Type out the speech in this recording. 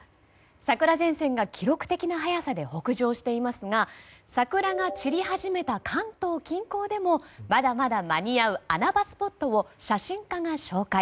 桜前線が記録的な速さで北上していますが桜が散り始めた関東近郊でもまだまだ間に合う穴場スポットを写真家が紹介。